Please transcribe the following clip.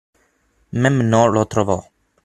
Mamnor lo trovò